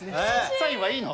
サインはいいの？